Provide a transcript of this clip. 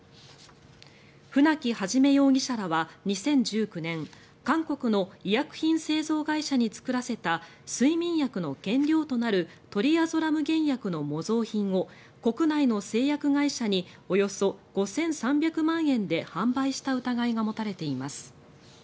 舩木肇容疑者らは２０１９年韓国の医薬品製造会社に作らせた睡眠薬の原料となるトリアゾラム原薬の模造品を国内の製薬会社におよそ５３００万円で販売した疑いが持たれています。